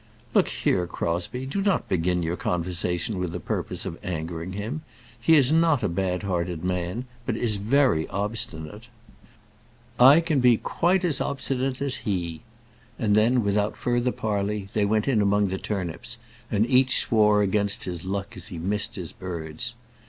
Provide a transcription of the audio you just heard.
"Look here, Crosbie; do not begin your conversation with the purpose of angering him. He is not a bad hearted man, but is very obstinate." "I can be quite as obstinate as he is." And, then, without further parley, they went in among the turnips, and each swore against his luck as he missed his birds.